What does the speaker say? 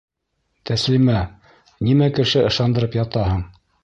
Тәслимә, нимә кеше ышандырып ятаһың?